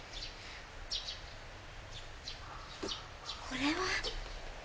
これは。